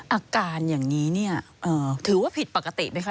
อาการอย่างนี้เนี่ยถือว่าผิดปกติไหมคะ